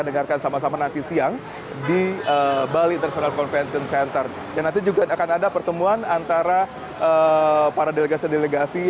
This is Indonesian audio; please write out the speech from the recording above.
di bali international convention center dan nanti juga akan ada pertemuan antara para delegasi delegasi